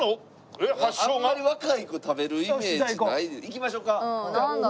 行きましょうか。